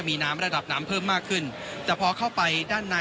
ไปถึงเมือง